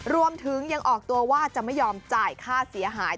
รวมถึงยังออกตัวว่าจะไม่ยอมจ่ายค่าเสียหาย